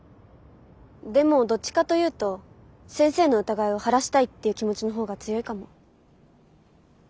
でもどっちかというと先生の疑いを晴らしたいっていう気持ちの方が強いかも。